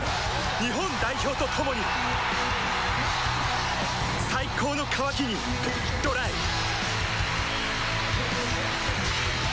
日本代表と共に最高の渇きにＤＲＹパパ。